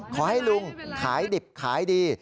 ขอให้ลุงขายดิบขายดี